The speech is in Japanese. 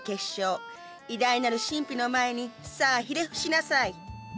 偉大なる神秘の前にさあひれ伏しなさい。